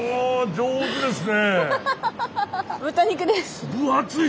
上手ですね。